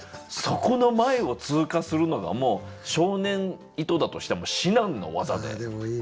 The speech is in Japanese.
そこの前を通過するのがもう少年井戸田としては至難の業で。